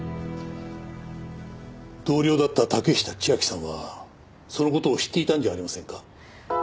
同僚だった竹下千晶さんはその事を知っていたんじゃありませんか？